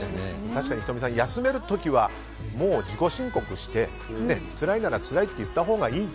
確かに仁美さん休める時は自己申告してつらいならつらいと言ったほうがいい。